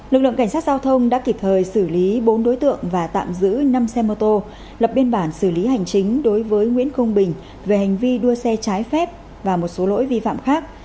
lực lượng cảnh sát giao thông đã kịp thời xử lý bốn đối tượng và tạm giữ năm xe mô tô lập biên bản xử lý hành chính đối với nguyễn công bình về hành vi đua xe trái phép và một số lỗi vi phạm khác